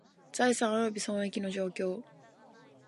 財産および損益の状況